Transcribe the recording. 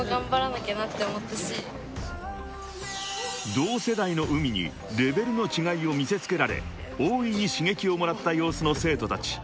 ［同世代のＵＭＩにレベルの違いを見せつけられ大いに刺激をもらった様子の生徒たち］